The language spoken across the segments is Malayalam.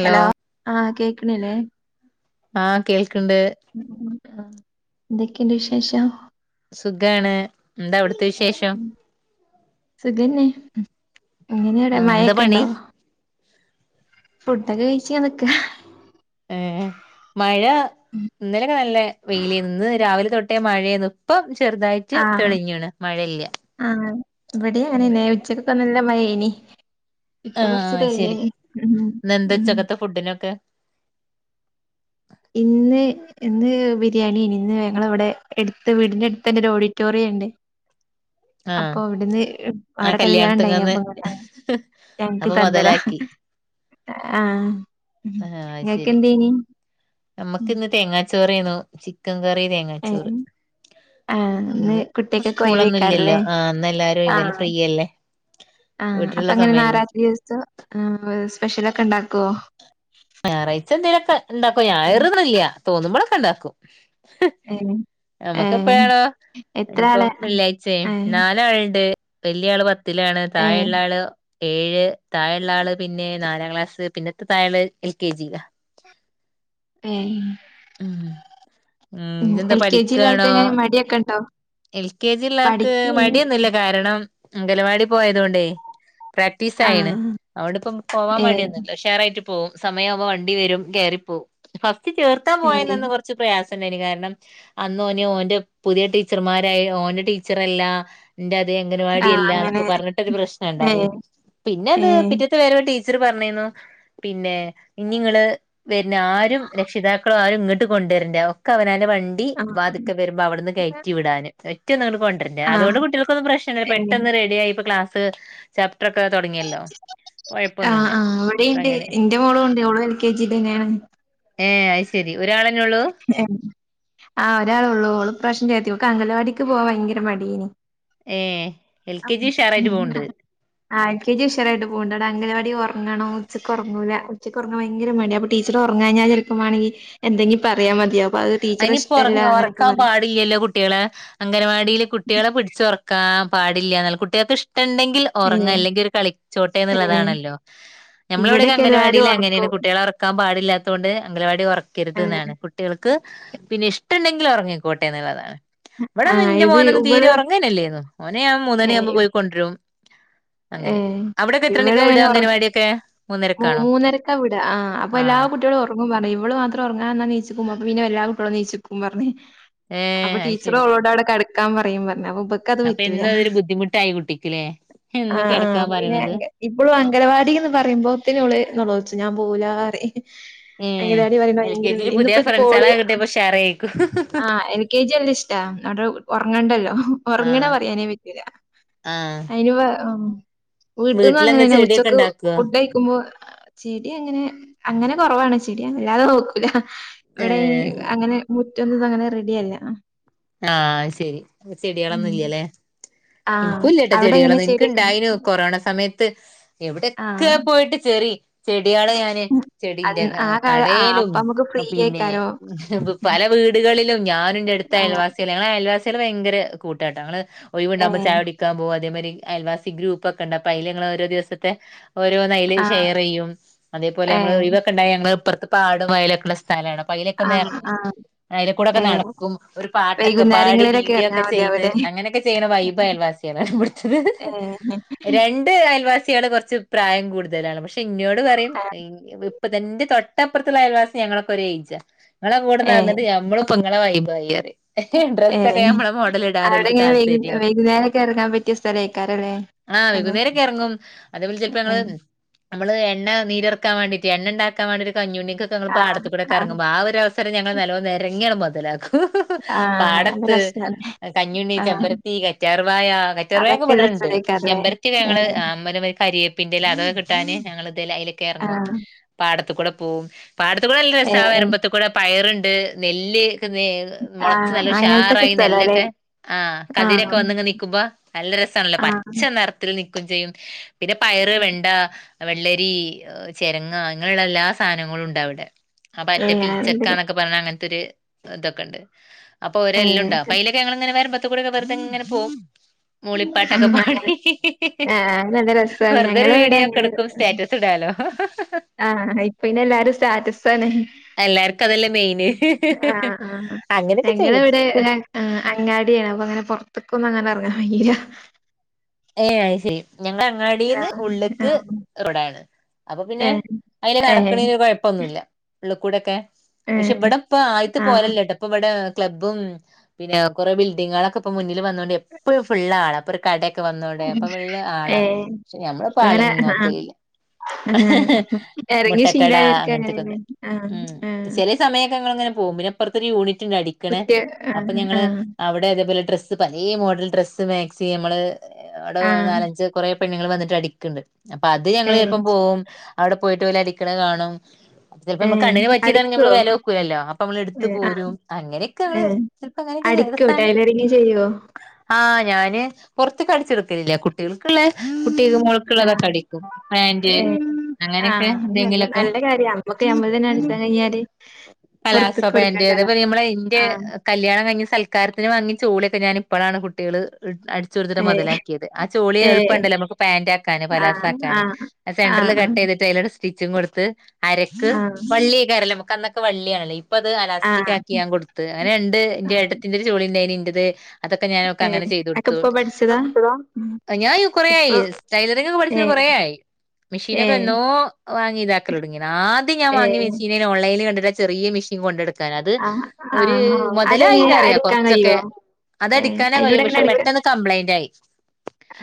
ഹലോ ആഹ് കേക്ക്ണില്ലേ. ആഹ് കേൾക്ക്ണ്ട്. ഉം ഉം ആഹ് എന്തൊക്കെയുണ്ട് വിശേഷം. സുഖാണ് എന്താ അവിട്ത്തെ വിശേഷം. ഉം സുഖന്നെ ഇങ്ങനെയടെ ആഹ് എന്താ പണി മയൊക്കെണ്ടോ. ഫുഡൊക്കെ കഴിച്ച് നിക്കാ. ഏഹ് മഴ. ഇന്നലെക്കെ നല്ല വെയിലേന്ന് ഇന്ന് രാവിലെ തൊട്ടേ മഴേന്ന് ഇപ്പം ചെറുതായി. റ്റ് ആഹ് തെളിഞ്ണ് മഴയില്ല. ആഹ് ഇവടി ഇന്ന് അങ്ങനെന്നെ ഉച്ചക്കൊക്കെ നല്ല മഴേനി. ഇപ്പൊ കൊർച്ച് ആഹ് ശരി തെൾഞ്ഞിന് ഉം ഇന്നെന്താ ഉം. ഉച്ചക്കത്തെ ഫുഡിനൊക്കെ. ഇന്ന് ഇന്ന് ബിര്യാണിയേനി ഇന്ന് ഞങ്ങളവിടെ. എട്ത്ത് വീടിന്റെട്ത്തന്നെ ഒരോഡിറ്റോറിയണ്ട്. ആഹ് അപ്പൊ അവിട്ന്ന് ആ അവിടെ കല്യാണണ്ടെയ്നി കല്യാണത്ത്ങ്ങന്ന് അപ്പം. [unintelligible] ഞ്ഞങ്ങക്ക് അപ്പൊ തന്നതാ മൊതലാക്കി ആഹ് ഇങ്ങക്കെന്തേനി. നമ്മക്ക്ന്ന് തേങ്ങാച്ചോറേന്നു ചിക്കൻ കറി തേങ്ങാച്ചോറ്. ഏഹ് ആഹ് ഇന്ന് കുട്ടിയക്കൊക്കെ സ്കൂളൊന്നു ഇല്ലല്ലോ ഒഴിവേക്കാരല്ലേ ആഹ് ഇന്നല്ലാരും ഒയിവല്ലേ ആഹ് ഫ്രീയല്ലേ. ആഹ് വീട്ടിലുള്ള അപ്പങ്ങനെ സമയല്ലേ ന്നാറായിച ദിവസം ഏഹ് സ്പെഷ്യലൊക്കെ ഇണ്ടാക്കുവോ. ഞായറാഴ്ച എന്തേങ്കിലോക്കെ ഇണ്ടാക്കും ഞായറ്ന്നില്ല തോന്നുമ്പോളൊക്കെ ഇണ്ടാക്കും. എങ്ങനെ നമ്മക്കെപ്പഴാണോ ഇനിയിപ്പോം വെള്ളിയാഴ്ച്ചെ ഏഹ് നാലാള്ണ്ട്. വലിയ ആള് പത്തിലാണ് താഴെയുള്ള ഏഹ് ആള് ഏഴ് താഴെയുള്ള ആള് പിന്നെ നാലാം ക്ലാസ് പിന്നെ താഴെള്ളത് എൽ കെ ജി ലാണ് ഏഹ് ആഹ്, ആഹ് ഉം ഇജ് എന്താ എൽ കെ ജിയിലെ ആൾക്ക് പഠിക്കാണോ? എങ്ങനെ മടിയൊക്കെ ഉണ്ടോ എൽ കെ ജി ഇള്ള ആൾക്ക് പഠിക്കേനി മടിയൊന്നുല്ല കാരണം അംഗൻവാടി പോയതുകൊണ്ടേ. പ്രാക്റ്റീസ് ആയിണ്, ആഹ് അതുകൊണ്ട് ഇപ്പം പോവാൻ ഏഹ് മടിയൊന്നുല്ല. ഉ ശാറായിട്ട് പോവും. സമയാവുമ്പോ വണ്ടി വരും കയറി പോവും. ഫസ്റ്റ് ചേർത്താൻ പോയേനെ ഏഹ് അന്ന് കൊർ ച്ച് പ്രയാസണ്ടായിന് കാരണം അന്ന് ഓന് ഓന്റെ പുതിയ ടീച്ചർമാരായി ഓന്റെ ടീച്ചറല്ല ഇന്റെ അതേ ആഹ് അങ്ങൻവാടിയല്ലാ അങ്ങനെ എന്നൊക്കെ പറഞ്ഞിട്ടൊരു പ്രശ്നം ഏഹ് ഇണ്ടായിനി. പിന്നെ അത് ഏഹ് പിറ്റേത്തെ വരവ് ടീ ച്ചർ പറഞ്ഞേന്നു പിന്നെ ഇഞ്ഞ് ഇങ്ങള് വരുന്ന ആരും രക്ഷിതാ ക്കൾ ആരും ഇങ്ങട്ട് കൊണ്ടുവരണ്ട ഒക്ക അവനാന്റെ വൺ ണ്ടി ആഹ് വാതുക്കെ വരുമ്പോ അവിടുന്ന് കയറ്റി വിടാന് ഒറ്റന്നും ഇങ്ങട്ട് കൊണ്ടര ണ്ടാ ആഹ് അതുകൊണ്ട് കുട്ട്യാൾക്കൊന്നും പ്രശ്നല്ല. പെ ഏഹ് ട്ടെന്ന് റെഡി ആയി. ഇപ്പോ ക്ലാസ് ചാപ്റ്റർ ഒക്കെ തുടങ്ങിയല്ലോ ആഹ്, കൊഴപ്പൊന്നുല്ല ആഹ് ഇവിടേ ഇണ്ട് അങ്ങനെ എന്റെ മോളും ഉണ്ട്, ഓളും എൽ കെ ജിൽ തന്നെയാണ്. ഏഹ് അയ് ശരി ഒരാളന്നെ ഉള്ളൂ. ആഹ്, ഒരാള് ഒള്ളൂ, ഓള് ഇപ്രാവശ്യം ചേർത്തി ഓൾക്ക്‌ അംഗലവാടിക്ക് പോവാൻ ഭയങ്കര മടിയേനി. ഏഹ്, എൽ കെ ജി ഉഷാർ ആയിട്ട് പോവ്ണ്ട്. ആഹ് എൽ കെ ജി ഉഷാറായിട്ട് പോവ്ണ്ട് അവടെ അങ്കലവാടി ഉറങ്ങണം ഉച്ചക്കൊറങ്ങൂല ഉച്ചക്ക് ഉറങ്ങാൻ ഭയങ്കര മടിയാ അ ടീച്ചർ ഉറങ്ങാഞ്ഞാൽ ചിലപ്പമാണെങ്കി എന്തെങ്കിപറിയാ മതി അപ്പോ അത് ടീച്ചറെ ഇഷ്ടല്ല അങ്ങനൊക്കെ പറയും. [unintelligible] കുട്ട്യാള് അങ്കൻവാടിൽ കുട്ട്യാളെ പിടിച്ചൊറക്കാൻ പാടില്ലന്നുള്ള കുട്ട്യാൾക്ക് ഇഷ്ടണ്ടെങ്കി ൽ ഉറങ്ങ് ഏഹ് അല്ലെങ്കിൽ ഓര് ഏഹ് കളിച്ചോട്ടെന്നുള്ളതാണല്ലോ നമ്മളവിടെ ഒക്കെ ഇവിടെക്കെ എല്ലാരും അങ്കൻവാടിൽ അങ്ങനെയാണ് ഒറക്കും കുട്ട്യാളെ ഒർ ക്കാൻ പാടില്ലാത്തോണ്ട് അംഗലവാടി ഉറക്കരുത് ഏഹ് ന്നാണ് കുട്ടികൾ ക്ക്‌ പിന്നെ ഇഷ്ടണ്ടെങ്കിൽ ഒറങ്ങിക്കോട്ടെ എന്നുള്ളതാണ്. ഇവിടെന്നും ആഹ് ഇന്റെ ഇത് മോനൊന്നും തീരെ ഇവള് ഉറങ്ങല്ലേന്നു ഓനെ ഞാൻ മൂന്നണി ആവുമ്പോ ഏഹ് പോയിക്കൊണ്ടരും. ഏഹ്, ഇവളെ എങ്ങനെ ഉറ മൂ മൂന്നരക്കാണോ മൂന്നരക്കാ വിട്. ആഹ് അപ്പൊ എല്ലാ കുട്ട്യാളും ഉറ ങ്ങും പറഞ്ഞ് ഇവള് മാത്രം ഉറങ്ങാതെ നിന്നാൽ നീച്ചിക്കും അപ്പ പിന്നെ എല്ലാ കുട്ടികളും നീച്ചിക്കും പറഞ്ഞ്. അപ്പൊ ഏഹ് ടീച്ചറ് അയ്ശരി ഓളോട് അവിടെ കടക്കാൻ പറയും പറഞ്ഞ് അപ്പൊ ഇബ അപ്പൊ എന്നു അതൊരു ബുദ്ധിമുട്ടായി കുട്ടിക്ക്‌ലേ. ആഹ് ആഹ് അപ്പോ പിന്നെ അങ്ക ഇപ്പളും അംഗലവാടി എന്ന് പറയുമ്പോത്തിന് ഓള് നെലോൾച്ചും ഞാൻ പോവൂലാറിം. ഏഹ് അങ്കലവാടി പറയുമ്പോ എൽ കെ ഭയങ്കര ജിയില് [unintelligible] പുതിയ ഇന്നിപ്പോ ഇത് ഫ്രണ്ട്സളെ പോളിയോ കിട്ടിയപ്പോ ഷെയറേക്കും ആഹ് എൽ കെ ജി നല്ല ഇഷ്ട അടെ ഉറങ്ങണ്ടല്ലോ, ഉറങ്ങണ ആഹ് പറയാനേ പറ്റൂല. ആഹ് അയിന് വ ഉം വീട്ടിൽന്നും വീട്ടിലെന്താ അങ്ങനെന്നെ ചെടിയൊക്കെ ഉച്ചക്ക് ഇണ്ടാക്കോ ഫുഡ കഴി ക്കുമ്പോ ചെടി അങ്ങനെ അങ്ങനെ കൊറവാണ് ചെടി വല്ലാതെ നോക്കൂല. ഇവിടെ ഈ ഏഹ് അങ്ങനെ മുറ്റൊന്നും ഇത് അങ്ങനെ റെഡിയല്ല. ആഹ് അഹ് ശരി ഉം ചെടികളൊന്നുല്ലലെ. ഇൻക്ക് ആഹ് ഇല്ലട്ടോ അവിടെ എങ്ങനെ ചെടികളൊന്നും ഇൻക്ക് ചെടിയൊക്കെണ്ടോ? ഇണ്ടായിനു കൊറോണ സമയത്ത് എവിടൊക്കെ ആഹ് പോയിട്ട് ചെടി ചെട്യാളെ ഞാന് ചെടിന്റെ അന്ന് ആ കാലം ആ കടേലും അപ്പ അമ്മക്ക് ഫ്രീ പിന്നെ ആയിക്കാരോ. പല വീടുകളിലും ഞാനുന്റടുത്ത ആ അയൽവാസികളും ഞങ്ങള് അയൽവാസികള് ഭയങ്കര കൂട്ടാട്ടൊ ഞങ്ങള് ഏ ഒയിവ്ണ്ടാവുമ്പൊ ചായൊടിക്കാൻ്പോവാ അതേ മാരി അയൽവാസി ഗൂപ്പൊക്കണ്ട് അപ്പ അയിൽ ഞങ്ങള് ഓരോ ദിവസത്തെ ഓരോന്നയിലും ആഹ് ഷെയറിയ്യും. അതേപോലെ ഏ നമ്മള് ഒയിവൊക്കെ ഉണ്ടായ ഞങ്ങള് പ്പ്റത്ത് പാടോം വയലക്കൊള്ള സ് സ്ഥലാണ് അപ്പോ അയ്ലൊക്കൊന്ന് ആഹ് എറങ്ങും ആഹ് അയിലക്കൂടൊക്കെ ഏ നടക്കും. ഒരു പാട്ടൊക്കെ പാടി വൈകുന്നേരങ്ങളിലൊക്കെ വീഡിയോ എറങ്ങാ ഒക്കെ ചെയ്ത് മതിയാവൂലേ അങ്ങനെയൊക്കെ ചെയ്യണ വൈബ് അയൽവാസിയാളാണ് ഇവിടുത്തത്. ് ഹ് ഹ് ഇണ്ടേ അയൽവാസികള് കൊറച്ച് പ്രായം കൂടുതലാണ് പക്ഷെ ഇന്നോട് പറയും ആഹ് ഇപ്പതാ ന്റെ തൊ ൻ്റ പ്പുറത്തുള്ള അയൽവാസീം ഞങ്ങളൊക്കെ ഒരയിജാ ഇങ്ങളെ കൂടെ ഏ നടന്നിട്ട് ഞമ്മളും ഇപ്പൊ ങ്ങളെ വൈബായി റിം. ഹ് ഹ് ഏ ഡ്രസ്സൊക്കെ നമ്മളെ മോഡൽ അവിടെ ഇടാനോൽക്ക് ഇങ്ങനെ വൈകു താല്പര്യം. വൈകുന്നേരൊക്കെ എറങ്ങാൻ പറ്റിയ സ്ഥലേക്കാരല്ലേ ആഹ് അതെ വൈകുന്നേരൊക്കെറങ്ങും അതേപോലെ ചിലപ്പോ ഞങ്ങള് ഉം നമ്മള് എണ്ണ നീരറക്കാൻ വേണ്ടീട്ട് എണ്ണ ഉണ്ടാക്കാൻ വേണ്ടിട്ട് കഞ്ഞുണ്ണിക്കൊക്കെ ഞങ്ങൾ പാടത്ത് കൂടെ ക്ക എറങ്ങുമ്പോ ആഹ് ഒരു അവ സരം ഞങ്ങൾ നല്ലോം നെരങ്ങിയങ്ട്മൊതലാക്കും. ഹ് ഹ് ആഹ് നല്ല പാടത്ത് രസാണ് കഞ്ഞുണ്ണി ആഹ് ചെമ്പരത്തി കറ്റാർവായ ക അതൊക്കെ ഒരു ർവായെക്കബ്ടണ്ട് സ്ഥലേക്കാരല്ലേ ചെമ്പരത്തി വേ ഏ ങ്ങള് അമ്പലവയി കരിയേപ്പിന്റെല അതൊക്ക കിട്ടാന് ഞങ്ങള് ത് ലയില ക്കെർങ്ങും. ആഹ് പാടത്ത്കൂടെ പോകും പാടത്ത് കൂടെ നല്ല ഏ രസാ വരുമ്പ്ത്ത്ക്കൂടെ പയറ്ണ്ട് നെല്ല്- മൊളച്ച് ആഹ് നല്ല അങ്ങനത്തൊക്കെ ഉഷാറായി സ്ഥലാല്ലേ നെല്ലൊക്കെ ആഹ് കതിരൊക്കെ ആഹ് വന്ന് നിക്കുമ്പോ നല്ല രസാണല്ലോ ആഹ് പച്ച നെർ ത്തില് നിക്കും ചെയ്യും പിന്നെ പയറ് വെണ്ട വെള്ളരീ ചെരങ്ങ ങ്ങനെള്ള എല്ലാ സാധനങ്ങളും ഉണ്ടവ്ടെ ആഹ് ഏ മറ്റേ അങ്ങനത്തൊക്കെ പീച്ചക്കന്ന ക്കെ പറഞ്ഞ അങ്ങനത്തെ ഒരു തൊക്കണ്ട്. അപ്പൊ ഏ ഓരെല്ലോണ്ടാവും അപ്പ അയിലൊക്കെ ഞങ്ങളിങ്ങനെ വരമ്പത്ത് കൂടെ വെറുതെങ്ങന പോവും. മൂളിപ്പാട്ടൊക്കെ പാടി ഹ് ഹ് ഹിഹി ഹി ആഹ് നല്ല രസാണ് വെർതെ ഒരു ഞങ്ങളിവിടെ വീഡിയോക്കെട്ക്കും അങ്ങനെ സ്റ്റാറ്റസ് റ്റ് ടാലോ. ആഹ് ഇപ്പൊ പിന്നെ എല്ലാരും സ്റ്റാറ്റസാണ്. എല്ലാർക്കും അതല്ലേ മെയിന് ആഹ് ആഹ് അങ്ങനെയൊക്കെ ഞങ്ങളെവിടെ ചെയ്യും ആ അങ്ങാട്യാണ് അപ്പൊ അങ്ങനെ പൊറത്ത്ക്കൊന്നു അങ്ങനെ എറങ്ങാ കയ്യൂല. ഏഹ് അത് ശരി ഞങ്ങളങ്ങാടീന്ന് ആഹ് ഉള്ള്ക്ക് ആഹ് റോഡാണ് അപ്പൊ പിന്നെ ഏഹ് അയിലെ ഏഹ് നടക്കണീനൊരു കൊയപ്പൊന്നുല്ല ഉള്ളക്കൂടൊക്കെ പക്ഷെ ഏഹ് ബ്ടെപ്പ ആദ്യത്തെ ആഹ് പോലെല്ലട്ടോ ഇപ്പൊവടെ ക്ലബ്ബും പിന്നെ കുറെേ ബിൽഡിങ്ങാ ളൊക്കെപ്പൊ മുന്നില് വന്നോണ്ട് എപ്പഴും ഫുള്ളാള പ്പൊ ഒരു കടെ ക്കെ വന്നോണ്ടെയ് അപ്പൊ ഫുള്ള് ആളാ ഏഹ് പക്ഷെ ഞമ്മള് ഇപ്പങ്ങനെ പാളെന്നും ആഹ് നോക്കലില്ല. ഹ് ആഹ് ഹ് ഹ അപ്പൊ എറങ്ങി മുട്ടക്കടാ ശീലായവർക്ക് അങ്ങൻ അങ്ങനെയാണ് ത്തേക്കൊന്ന് ആഹ് ം ആഹ് ചെലേ സമയക്കങ്ങള്ങ്ങനെ പോകും പിന്നെപ്പറത്ത് ഒരു യൂണിറ്റ് ഉണ്ട് അടിക്കണ കുറ്റ്യ അപ്പൊ ആഹ് ഞങ്ങള് ആഹ് അവിടെ അതേപോലെ ഡ്രസ്സ് പലേ മോഡൽ ഡ്രസ്സ് മാക്സി ഞമ്മള് അവിടെ ആഹ് നാലഞ്ച് കൊറെേ പെണ്ണുങ്ങൾ വന്നിട്ട് അടിക്ക്ണ്ട്. അപ്പത് ഞങ്ങള് ഏഹ് ചെൽപ്പം പോവും അവിടെ പോയിട്ട് ഓലടിക്ക്ണ് കാണും. അത് ചിലപ്പോ നമ്മക്ക് ഏഹ് കണ്ണിനെ പറ്റ്യേതാണെങി അടിക്കോ? നമ്മള് വില നോക്കൂലല്ലോ അപ്പൊ നമ്മള് എടുത്ത് ഏഹ് ആഹ് പോരും അങ്ങനെയൊക്കെ ഞമ്മള് ഏഹ് അടിക്കോ ടൈലറിങ് ചെയ്യോ? ആഹ് ഞാന് പൊറത്ത്ക് അടിച്ചോട്ക്കല്ല കുട്ടികൾക്ക്ള്ളേ കുട്ടി മോള് കൾക്ക്ള്ളതൊക്കെ ആഹ് അടിക്കും പാന്റ് ഏഹ് അങ്ങനെക്കെ ആഹ് അത് നല്ല എന്തെങ്കിലൊക്കെ നല്ല കാര്യാ അമ്മക്ക് ഞമ്മള് തന്നെ അടിച്ചാൻ കഴിഞ്ഞാല് പലാസ പൊറത്ത്ക്ക് പാന്റ് അതേ കൊടുക്കണ്ടല്ലോ പൊലെ നമ്മളെ ഇന്റെ ആഹ് കല്ല്യാണം കഴിഞ് സൽക്കാരത്തിന് വാങ്ങിയ ചോള്യോക്കെ ഞാനിപ്പഴാണ് കുട്ടികള് ചൊട്ത്ത്ട്ട് ഏഹ് മൊതലാക്കിയത് ആ ചോളി ഏഹ് എള്പ്പണ്ടല്ലോ നമുക്ക് പാന്റാക്കാന് ആഹ് പലാസാക്കാന്. ആഹ് അ സെൻട്രില് ആഹ് കട്ടെയ്ത്ട്ട് അയ്ലാണ്ട്- സ്റ്റിച്ചിങ് കൊടുത്ത് അരക്ക് ആഹ് വള്ളിയൊക്കരല്ലോ നമ്മകന്നൊക്കെ വള്ളിയാണല്ലോ ഇപ്പോ അത് ആഹ് അലാസ്റ്റിക് ആഹ് ആക്കി ഞാൻ കൊടുത്ത് അങ്ങനെ ഉണ്ട് എന്റെ ആഹ് ഏട്ടത്തിന്റെ ഒരു ചോളിന്റെയിന് ഇന്റത് അതൊക്കെ ഞാനോക്ക് അങ്ങനെ ഏഹ് ചെയ്ത് കൊടുത് അതൊക്കെ ഇപ്പൊ പഠിച്ചതാ? ഉം. ഞാൻ കൊറെയായി ഇപ്പൊ റ്റൈലറിംഗ് ഒക്കെ പഠിച്ച് ഏഹ് കൊറെയായി മെഷീനൊക്കെ ഏഹ് എന്നോ വാങ്ങി ഇതാക്കല്തൊടങ്ങിന് ആദ്യം ഞാൻ വാങ്ങി ഏഹ് വച്ച ഞാൻ ഓൺലൈന്ൽ കണ്ടിട്ട് ചെറിയ മെഷീൻ കൊണ്ടടു അത് ആഹ് ഒരു ആഹ് അതെങ്ങനെ മുതലായിന്ന് പറയ അടിക്കാൻ കൊറച്ചൊക്കെ കഴിയോ? ഏഹ് അതടിക്കാന അയിനോട് കഴിയും എങ്ങനെ പക്ഷെ അടിക്കാൻ പെട്ടെന്ന് കംപ്ലൈന്റ് ആയി.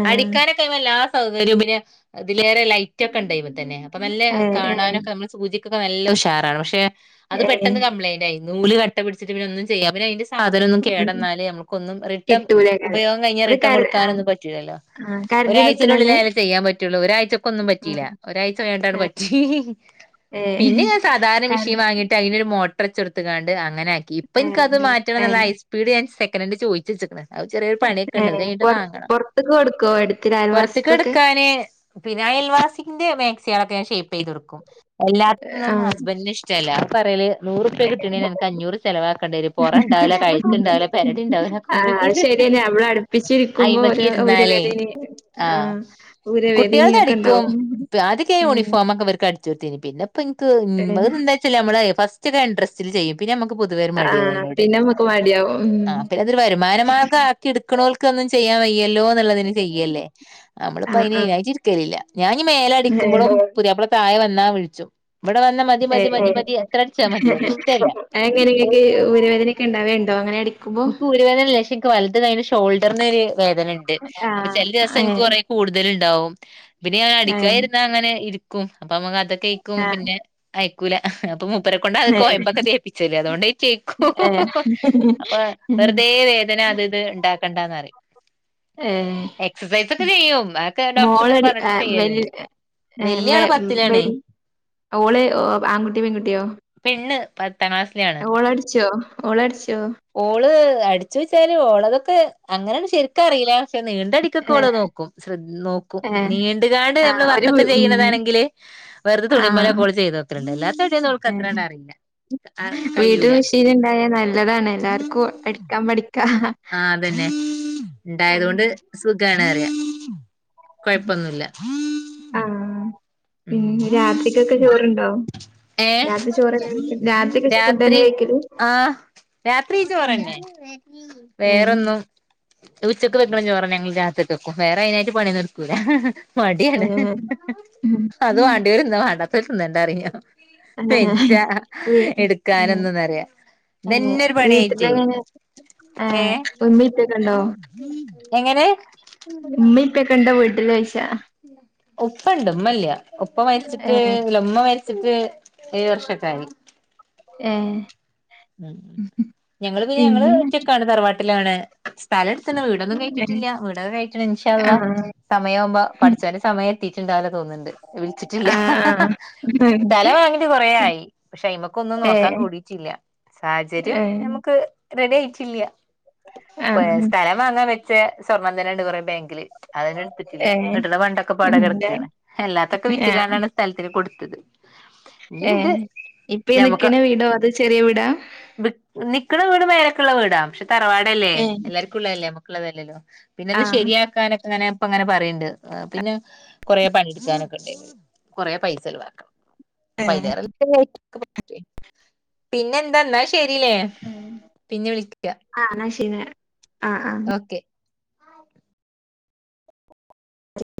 ആഹ് അടിക്കാനൊക്കെ എല്ലാ സൗകര്യവും പിന്നെ ഇതിലേറെ ലൈ റ്റൊക്കെ ഉണ്ടയിനി അതിൽതന്നെ അപ്പൊ നല്ല ഏഹ് ഏഹ് കാണാനൊക്കെ നമ്മൾ സൂചിക്കൊക്കെ നല്ല ഉഷാറാണ് പക്ഷെ അത് ഏഹ് പെട്ടെന്ന് കംപ്ലയിന്റായി. നൂല് കട്ട പിടിച്ചിട്ട് പിന്നൊന്നും ചെയ്യാം പിന്നെ അതിന്റെ സാധനം ഒന്നും കേടന്നാല് നമുക്കൊന്നും റിട്ടേൺ കിട്ടൂലേക്കാരം ഉപയോഗം കഴിഞ്ഞാൽ അത് റിട്ടേൺ കര ആഹ് കൊടുക്കാനൊന്നും പറ്റൂലല്ലോ ആഹ് കരണ്ടിന് ഒരാഴ്ചന്റെ കുത്ത്ണല്ലേ? ഉള്ളിലായാലേ ചെയ്യാൻ പറ്റുള്ളൂ. ഒരാഴ്ചക്ക് ഒന്നും പറ്റിയില്ല ആഹ് ഒരാഴ്ച കഴിഞിട്ടങ്ങട് ഏഹ് പറ്റി ഏഹ് പിന്നെ ഞാൻ സാധാരണ കര മിഷീൻ വാങ്ങിട്ട് അതിനൊരു മോട്ടർ വെച്ചെടുത്ത്ക്കാണ്ട് അങ്ങന ആക്കി ഇപ്പൊ എനിക്കത് ഏഹ് മാറ്റണം എന്നുള്ള ഏഹ് ട് ഞാൻ സെക്കനാൻഡ് ചോദിച്ച് വെച്ക്കണ് ചെറിയൊരു പണിയൊക്കെ ഏ ഉണ്ട് ഇത് കഴിഞ്ഞിട്ട് പൊർ വാങ്ങണം പൊർത്ത്ക്ക് കൊടുക്കോ എടുത്തിട്ട് പൊറത്തേക്ക് അയൽവാസിക്കൊക്കെ? കടക്കാന് പിന്നെ അയൽവാസിന്റെ മാക്സികളൊക്ക ഞാൻ ഷേപ്പ് ചെയ്ത് കൊടുക്കും. എല്ലാത്തിനൊന്നും ആഹ് ഹസ്ബൻഡ്ന് ഇഷ്ട്ട ല്ല അത് പറയല് നൂറുപ്യ ഏ കിട്ട്ന്നെന്ന് അൻക്ക് അഞ്ഞൂറ് ചെലവാക്കേണ്ടിവരും പെറണ്ടാവുല കഴുത്ണ്ടാവുല പെരടിണ്ടാവുല ക്കെല് അവളാണ് അടുപ്പിച്ചിരിക്കുമ്പോ ഓരോ ഇരുന്നാലേ ഊരവേദനിം ആ ആഹ് ഊരവേദനിയൊക്കെ ഇണ്ടാവും ആദ്യക്കെ ഉം യൂണിഫോമെക്കെ ഇവർക്ക് അടിച്ച് കൊട്ത്തിനി. പിന്നെപ്പോ ഇൻക്ക് ഏഹ് എന്ത് വെച്ചാല് നമ്മളെ ഫസ്റ്റ് ഇഡ്രസ് സില് ചെയ്യും പിന്നെ നമക്ക് പൊതുവേ ഒരു മടിയവും ആഹ് അതിനോട് പിന്നെ നമ്മക്ക് മടിയാവും ആ ഉം. പിന്നെ അതൊരു വരുമാനമാർഗ ക്കി ഇട്ക്ക്ണോൽക്ക് ഒന്നും ചെയ്യാൻ വയ്യല്ലോ എന്നുള്ളതിന് ചെയ്യല്ലേ നമ്മളിപ്പോ ആഹ് അയ്ന് ആഹ് ലില്ല ഞാൻ മേല ഏഹ് അടിക്കുമ്പളും പുത്യാപ്പ്ള താഴെവന്നാ വിളിച്ചും ഇവിടെ വന്ന മതി മതി മതി മതി ഏഹ് മതി അത്രടിച്ചാ മതിപറയും ഇഷ്ടല്ല ടക്ക് ഊരവേദനക്കെ ഇണ്ടാവേണ്ടോ അങ്ങനെ അടി ഇൻക്ക് ഊരവേദനല്ല പക്ഷെ എനിക്ക് വലത് കയ്യിന്റെ ഷോൾഡറിന് ഒരു വേദന ഇണ്ട് അപ്പോ ആഹ് ചെല ദിവസം എനിക്ക് ഏഹ് കൊറെ കൂടുതല്ണ്ടാവും. പിന്നെ ഞൻ അടിക്ക ഏഹ് ഇരുന്നാ അങ്ങനെ ഇരിക്കും അപ്പൊ നമ്മക്ക് അത് കേക്കും ആഹ് പിന്നെ അയക്കൂല അപ്പൊ മുപ്പരേ കൊണ്ട് അത് ഏഹ് കോയമ്പൊക്കെ തേപ്പിച്ചല് അതോണ്ടേക്കൂ ഏഹ് അപ്പൊ വെറുതെ വേദന അത് ഇത് ഇണ്ടാക്കണ്ടന്നറിയും ഏഹ് എക്സസൈസെക്കെ ചെയ്യും അതക്കെ ഡോക്ടർ ഇങ്ങനെ മോളടി പറഞ്ഞിട്ട് ഏഹ് വെൽ ചെയ്യല്ണ്ട് ഏഹ് വല്ല്യ വെ ആള് പത്തിലാണേ വെൽ ഓള് ആൺകുട്ട്യോ പെൺകുട്ട്യോ പെണ്ണ് പത്താം ക്ലാസ്സിലാണ് ഓള് അടിച്ചോ ഓളടിച്ചോ ഓള് അടിച്ചോയ്ച്ചാല് ഓള്തൊക്കെ അങ്ങനെന്ന് ശരിക്കറില പക്ഷെ നീണ്ടടിക്കൊക്കെള് ഏഹ് നോക്കും ശ്രദ് നോക്കും ഏഹ് നീണ്ട്കാണ്ട് നമ്മള് ആഹ് ഒരു വർക്കൊക്കെ വീ- ഉം ചെയ്യുന്നതാണങ്കില്, വെറുതെ തുണിമല് ആഹ് ഒകെ ഓള് ചെയ്തോക്കും അല്ലാത്തടി ഓൾക്ക് ഏഹ് അത്രണ്ട് അറില. കയൂല മിഷീന്ണ്ടായ നല്ലതാണ് എല്ലാർക്കും അടിക്കാൻ പഠിക്കാ ആഹ് അതന്നെ ഇണ്ടായതേണ്ട് ആഹ് സുഖാണ്റിയാം കൊഴപ്പൊന്നുല്ല ആഹ് പിന്നെ രാത്രികക്ക് ഉം ചോറ്ണ്ടേ ഏഹ് ഫുഡ് തന്നെ രാത്രി കഴിക്കല്? ആഹ് രാത്രി ഉം ചോറന്നെ ഏഹ് വേറൊന്നും അത് ഉച്ചക്ക് വെക്ക്ണ ചോറന്നെ ഞങ്ങള് രാത്രികക്കും വേറെ അയ്നായിട്ട് പണി ഒന്നും എട്ക്കൂല മടിയാണ് ഏഹ് അത് വാണ്ട്യോല് തിന്ന വാണ്ടാത്തോര് തിന്നണ്ടറിം ഞാൻ പെജ്ജ വീ ഉം ഉം. എടുക്കാനെന്നെന്നുറിയ ഇതന്നെരു പണി ആയിറ്റെ വീട്ടിലെങ്ങനെ ഏഹ് ഉമ്മീം ഉപ്പയൊക്കെ ഉണ്ടോ? എങ്ങനെ ഇപ്പക്കെണ്ടോ വീട്ടില് ഓയ്ച്ചാ ഉപ്പണ്ട് ഇമ്മല്ല ഉപ്പ ഏ മരിച്ചിട്ട് അല്ല ഉമ്മ മരി ച്ചിട്ട് ഏഴ് വർഷൊക്കായി ഏഹ് ഉം ഞങ്ങള് പിന്നെ ഞങ്ങള് ഒറ്റക്കാണ് തറവാട്ടിലാണ് സ്ഥലം എട്ത്ത്ണ് വീടൊന്നും കഴിറ്റിട്ടില്ല വീടൊക്കെ കഴിറ്റണം ഇൻഷാ ആ അള്ളാ സമയാവുമ്പോ പടച്ചോന്റെ സമയ ത്തീട്ട്ണ്ടാവുല തോന്ന്ണ്ട് വിളിച്ചിട്ടില്ല ആ ആ സ്ഥലം വാങ്ങിട്ട് കൊറേ ആയി പക്ഷെ അയ്മക്കൊന്നും ഏ നോക്കാൻ കൂടിട്ടില്ല സാഹചര്യം ഏ നമുക്ക് റെഡി ആയിട്ടില്ല ആ പേ സ്ഥലം വാങ്ങാൻ പ ചെ സ്വർണ്ണം തന്നെണ്ട് കൊറേ ബാങ്കില് അതന്നെ എടുത്തിട്ടില്ല ഏ കിട്ട്ണ പണ്ടൊക്കെപ്പാടെ ഉണ്ട് കെടക്കാണ് എല്ലാത്തൊക്കെ വിറ്റ്ക്കാണ്ടാണ് സ്ഥലത്തിന് കൊട്ത്തത് ഏഹ് ഇപ്പ ഈ നിക്കണ വീടോ അത് ചെറിയ വീടാ വി നിക്ക്ണ വീട് മേലൊക്ക്ള്ള വീടാ പക്ഷെ തറവാടല്ലേ ഏ എല്ലാർ ക്കുള്ള അല്ലേ അമക്ക്ള്ളതലല്ലോ പിന്നെ ആ ഇത് ശരിയാ ക്കാനൊക്കെ ഇങ്ങനെ ഇപ്പ ഇങ്ങനെ പറീണ്ട് അഹ് പിന്നെ കൊറേ പണിട്ക്കാനൊക്കെണ്ട് കൊറേ പൈസ ചെലവാക്കണം ഏ അപ്പ അയ്ലേറെ [unintelligible] പിന്നെ എന്താ ന്നാ ശെരിലേ പിന്നെ വിളിക്കാ ആഹ് ന്ന ശീന്നാ ആഹ് ആഹ് ഓക്കെ